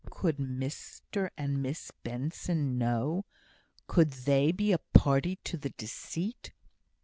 Could Mr and Miss Benson know? Could they be a party to the deceit?